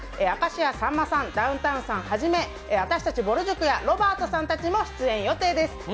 明石家さんまさん、ダウンタウンさんはじめ、私たちぼる塾やロバートさんたちも出演予定です。